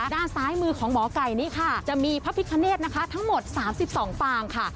ด้านซ้ายมือของหมอไก่นี่ค่ะจะมีพระพิคเนธนะคะทั้งหมด๓๒ปางค่ะ